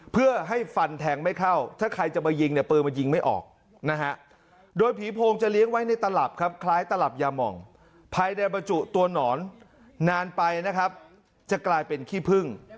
เพื่อให้ฟันแทงไม่เข้าถ้าใครจะมายิงเนี่ยปืนมันยิงไม่ออกนะฮะโดยผีโพงจะเลี้ยงไว้ในตลับครับคล้ายตลับยามองภายในบรรจุตัวหนอนนานไปนะครับจะกลายเป็นขี้พึ่ง